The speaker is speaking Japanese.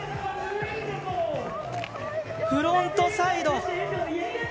フロントサイド。